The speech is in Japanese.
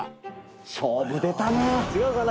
勝負出たな。